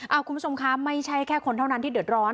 คุณผู้ชมคะไม่ใช่แค่คนเท่านั้นที่เดือดร้อน